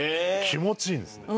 気持ちいいんですね。